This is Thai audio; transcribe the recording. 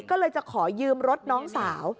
ก็เลยจะขอยืมรถน้องสาว